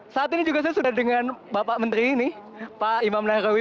saat ini juga saya sudah dengan bapak menteri ini pak imam nahrawi